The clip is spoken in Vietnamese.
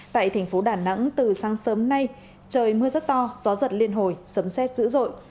tại thành phố đà nẵng từ sáng sớm nay trời mưa rất to gió giật liên hồi sấm xét dữ dội